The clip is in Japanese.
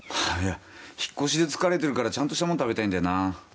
いや引っ越しで疲れてるからちゃんとした物食べたいんだよな。